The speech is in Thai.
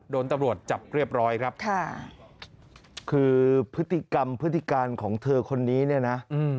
โดนตำรวจจับเรียบร้อยครับค่ะคือพฤติกรรมพฤติการของเธอคนนี้เนี่ยนะ